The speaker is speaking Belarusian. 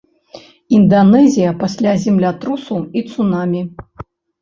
Інданэзія пасля землятрусу і цунамі.